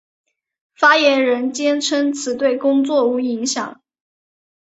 发言人坚称此对工作无影响。